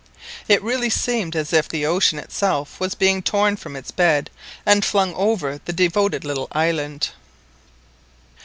It really seemed as if the ocean itself was being torn from its bed and flung over the devoted little island.